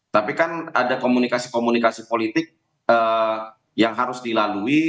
tapi kan ada komunikasi komunikasi politik yang harus dilalui